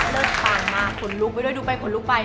เดินผ่านมาขนลุกไปด้วยดูไปขนลุกไป